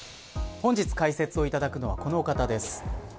本日、解説をいただくのはこのお方です。